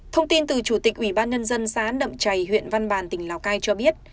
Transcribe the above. thông tin từ chủ tịch ủy ban nhân dân xã nậm chày huyện văn bàn tỉnh lào cai cho biết